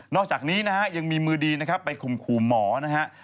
นอกจากนี้ยังมีมือดีไปคุมคุมหมอนะครับ